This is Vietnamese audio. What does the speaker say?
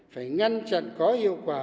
phải ngăn chặn có hiệu quả